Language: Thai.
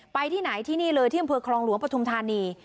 ไปที่ไหนที่นี่เลยที่อำเภอคลองหลวงปฐุมธานี